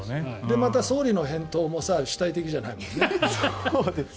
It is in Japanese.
また総理の返答も主体的じゃないもんね。